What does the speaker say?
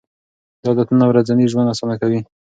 دا عادتونه ورځنی ژوند اسانه کوي.